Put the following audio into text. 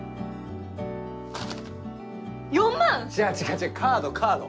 違う違うカード、カード。